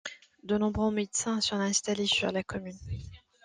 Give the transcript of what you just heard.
De nombreux médecins sont installés sur la commune.